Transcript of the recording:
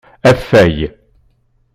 Afay.